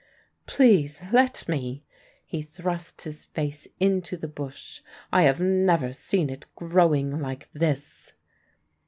"Please let me " he thrust his face into the bush; "I have never seen it growing like this."